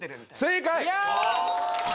正解！